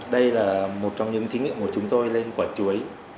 đây là một trong những thí nghiệm của chúng tôi lên quả chuối